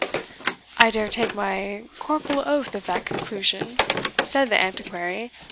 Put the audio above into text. "I dare take my corporal oath of that conclusion," said the Antiquary.